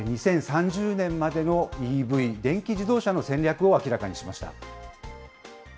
２０３０年までのＥＶ・電気自動車の戦略を明らかにしました。